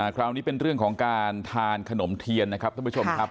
คราวนี้เป็นเรื่องของการทานขนมเทียนนะครับท่านผู้ชมครับ